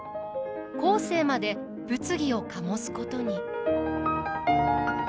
後世まで物議を醸すことに。